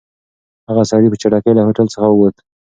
هغه سړی په چټکۍ له هوټل څخه ووت.